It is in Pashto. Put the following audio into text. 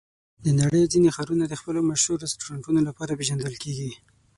د نړۍ ځینې ښارونه د خپلو مشهور رستورانتونو لپاره پېژندل کېږي.